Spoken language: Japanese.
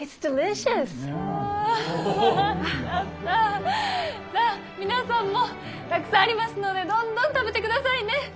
さあ皆さんもたくさんありますのでどんどん食べてくださいね。